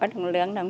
đồng lượng đồng